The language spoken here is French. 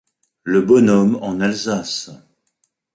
Le bonhomme en Alsace.